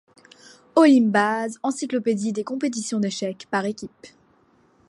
Olimpbase, encyclopédie des compétitions d'échecs par équipe.